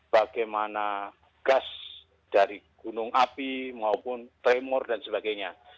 bagaimana gas dari gunung api maupun tremor dan sebagainya